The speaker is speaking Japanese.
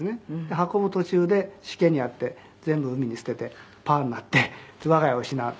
「運ぶ途中でしけに遭って全部海に捨ててパアになって我が家を失う。